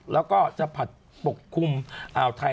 แล้วก็จะผัดปกคลุมอ่าวไทย